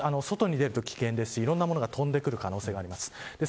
外に出ると危険なんでいろんなものが飛んでくる可能性があります。